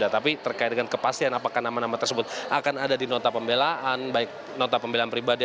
tapi terkait dengan kepastian apakah nama nama tersebut akan ada di nota pembelaan baik nota pembelaan pribadi